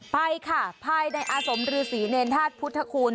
ไปค่ะภายในอาสมรือศรีเนรทาสพุทธคุณ